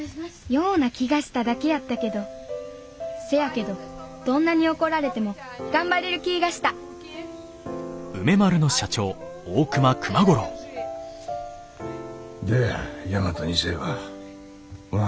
ような気がしただけやったけどせやけどどんなに怒られても頑張れる気ぃがしたどや大和２世はおらんのかいな。